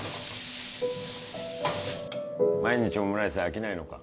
毎日オムライス飽きないのか？